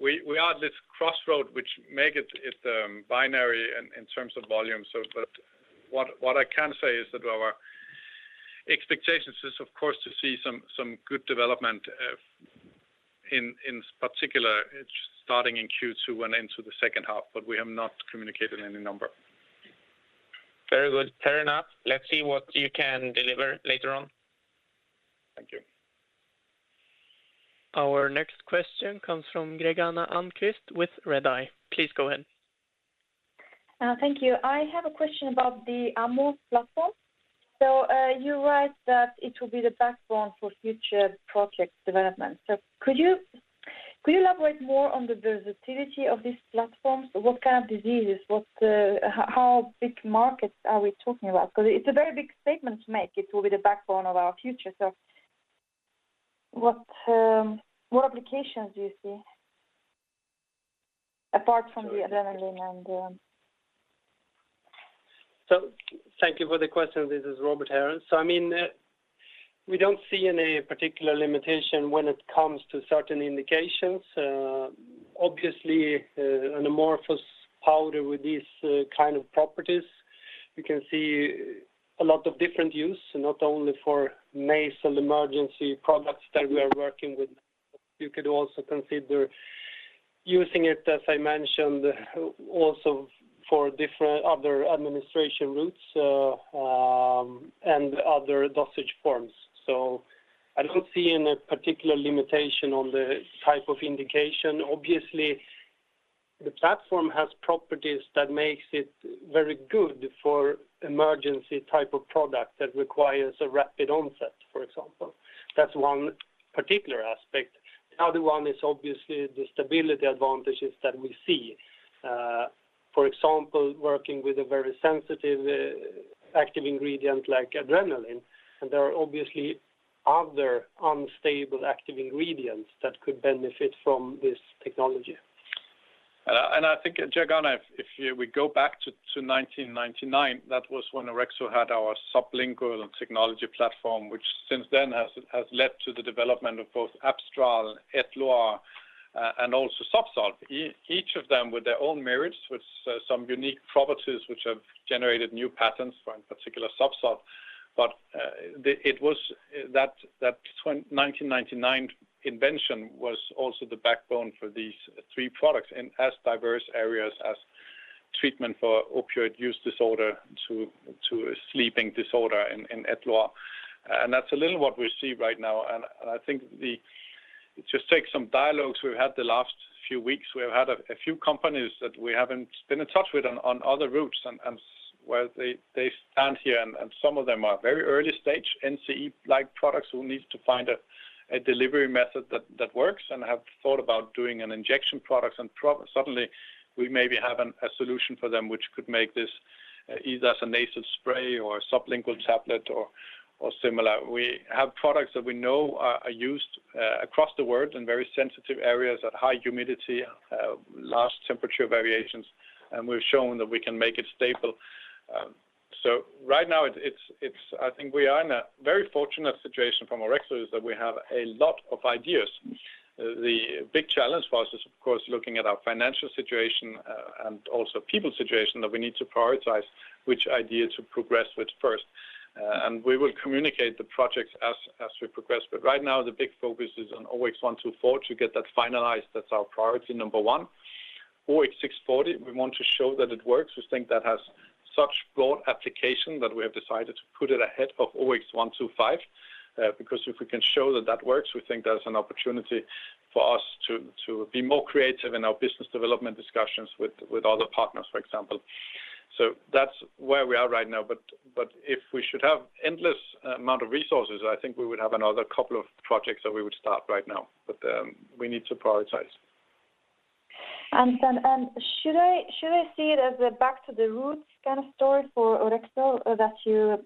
We are this crossroad which make it binary in terms of volume. What I can say is that our expectations is, of course, to see some good development in particular, it's starting in Q2 and into the second half, but we have not communicated any number. Very good. Fair enough. Let's see what you can deliver later on. Thank you. Our next question comes from Gergana Almquist with Redeye. Please go ahead. Thank you. I have a question about the AmorphOX platform. You write that it will be the backbone for future project development. Could you elaborate more on the versatility of these platforms? What kind of diseases, what, how big markets are we talking about? Because it's a very big statement to make. It will be the backbone of our future. What applications do you see apart from the adrenaline and. Thank you for the question. This is Robert Rönn. I mean, we don't see any particular limitation when it comes to certain indications. Obviously, an amorphous powder with these kind of properties. You can see a lot of different use, not only for nasal emergency products that we are working with. You could also consider using it, as I mentioned, also for different other administration routes, and other dosage forms. I don't see any particular limitation on the type of indication. Obviously, the platform has properties that makes it very good for emergency type of product that requires a rapid onset, for example. That's one particular aspect. The other one is obviously the stability advantages that we see. For example, working with a very sensitive, active ingredient like epinephrine. There are obviously other unstable active ingredients that could benefit from this technology. I think, Gergana, if we go back to 1999, that was when Orexo had our sublingual technology platform, which since then has led to the development of both Abstral, Edluar, and also Zubsolv. Each of them with their own merits, with some unique properties which have generated new patents for, in particular, Zubsolv. That 1999 invention was also the backbone for these three products in as diverse areas as treatment for opioid use disorder to a sleeping disorder in Edluar. That's a little what we see right now. I think. Just take some dialogues we've had the last few weeks. We have had a few companies that we haven't been in touch with on other routes and where they stand here, and some of them are very early stage NCE-like products who needs to find a delivery method that works and have thought about doing an injection products. Suddenly we maybe have a solution for them which could make this either as a nasal spray or a sublingual tablet or similar. We have products that we know are used across the world in very sensitive areas at high humidity, large temperature variations, and we've shown that we can make it stable. Right now it's I think we are in a very fortunate situation from Orexo is that we have a lot of ideas. The big challenge for us is, of course, looking at our financial situation, and also people situation that we need to prioritize which idea to progress with first. We will communicate the projects as we progress. Right now, the big focus is on OX124 to get that finalized. That's our priority number one. OX640, we want to show that it works. We think that has such broad application that we have decided to put it ahead of OX125. Because if we can show that that works, we think that's an opportunity for us to be more creative in our business development discussions with other partners, for example. That's where we are right now. If we should have endless amount of resources, I think we would have another couple of projects that we would start right now. We need to prioritize. Understood. Should I see it as a back to the roots kind of story for Orexo, that you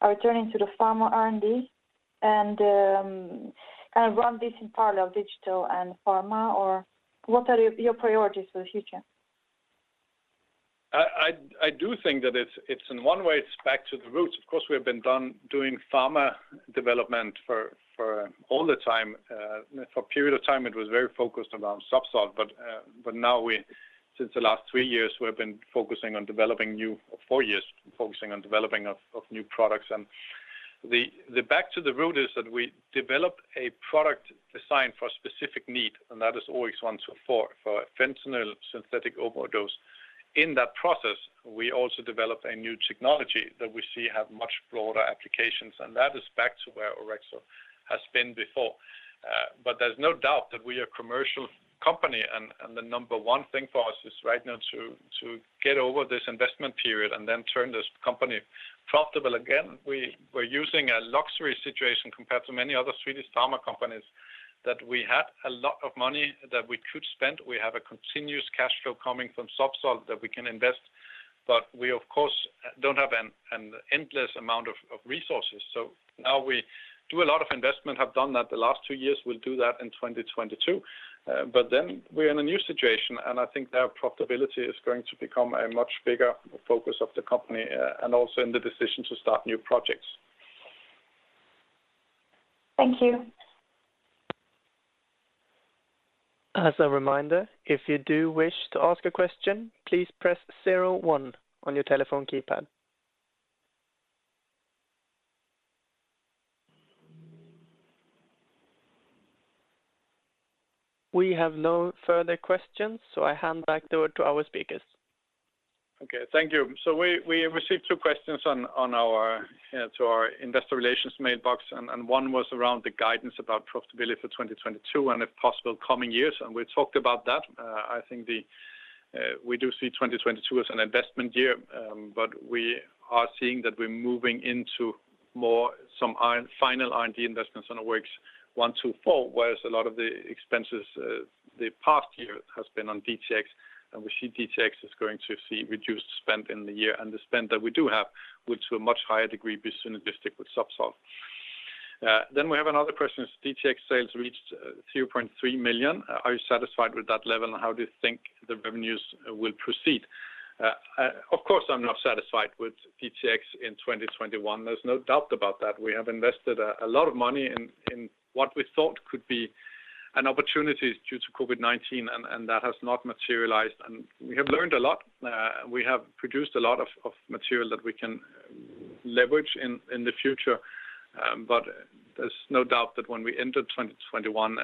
are returning to the Pharma R&D and kind of run this in parallel, Digital and Pharma? Or what are your priorities for the future? I do think that it's in one way, it's back to the roots. Of course, we have been doing Pharma development for all the time. For a period of time, it was very focused around Zubsolv. But now, since the last three or four years, we've been focusing on developing new products. The back to the root is that we develop a product designed for a specific need, and that is OX124 for fentanyl synthetic overdose. In that process, we also develop a new technology that we see have much broader applications, and that is back to where Orexo has been before. There's no doubt that we are a commercial company and the number one thing for us is right now to get over this investment period and then turn this company profitable again. We're using a lucky situation compared to many other Swedish pharma companies that we had a lot of money that we could spend. We have a continuous cash flow coming from Zubsolv that we can invest. But we of course don't have an endless amount of resources. Now we do a lot of investment, have done that the last two years. We'll do that in 2022. Then we're in a new situation, and I think the profitability is going to become a much bigger focus of the company, and also in the decision to start new projects. Thank you. As a reminder, if you do wish to ask a question, please press zero one on your telephone keypad. We have no further questions, so I hand back over to our speakers. Okay. Thank you. We received two questions on our investor relations mailbox, and one was around the guidance about profitability for 2022 and if possible, coming years. We talked about that. I think we do see 2022 as an investment year, but we are seeing that we're moving into more some final R&D investments on OX124, whereas a lot of the expenses the past year has been on DTx, and we see DTx is going to see reduced spend in the year. The spend that we do have, which to a much higher degree be synergistic with Zubsolv. Then we have another question. As DTx sales reached 2.3 million, are you satisfied with that level, and how do you think the revenues will proceed? Of course, I'm not satisfied with DTx in 2021. There's no doubt about that. We have invested a lot of money in what we thought could be an opportunity due to COVID-19 and that has not materialized. We have learned a lot. We have produced a lot of material that we can leverage in the future. There's no doubt that when we entered 2021,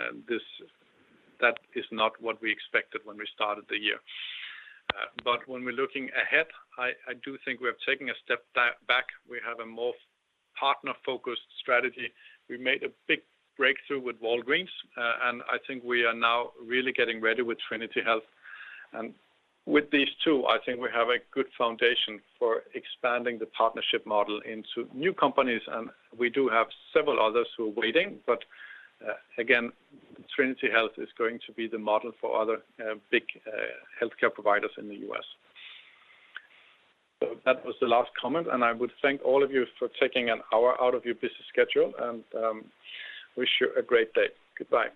that is not what we expected when we started the year. When we're looking ahead, I do think we have taken a step back. We have a more partner-focused strategy. We made a big breakthrough with Walgreens, and I think we are now really getting ready with Trinity Health. With these two, I think we have a good foundation for expanding the partnership model into new companies. We do have several others who are waiting. Again, Trinity Health is going to be the model for other big healthcare providers in the U.S. That was the last comment, and I would thank all of you for taking an hour out of your busy schedule and wish you a great day. Goodbye.